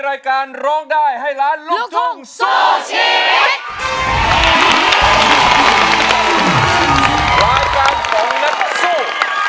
รายการของนักสู้